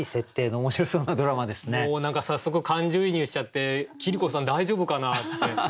もう何か早速感情移入しちゃって桐子さん大丈夫かなって。